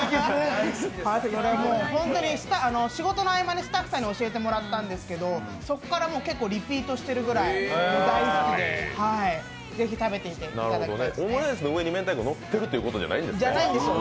仕事の合間にスタッフさんに教えてもらったんですけどそこから結構リピートしているぐらい大好きでぜひ食べていただきたいですね。